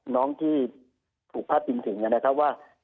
น้องที่ถูกพาดพิงถึงนะครับว่า